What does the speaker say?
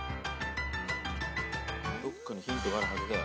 どっかにヒントがあるはずだよ。